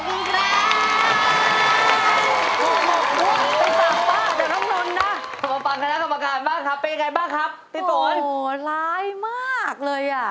โหร้ายมากเลยอ่ะ